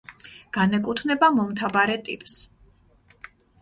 განეკუთვნება მომთაბარე ტიპს.